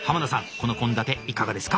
この献立いかがですか？